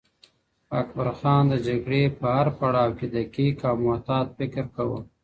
اکبرخان د جګړې په هر پړاو کې دقیق او محتاط فکر کاوه.